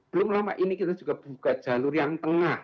belum lama ini kita juga buka jalur yang tengah